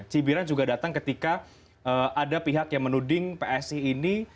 cibiran juga datang ketika ada pihak yang menuding psi ini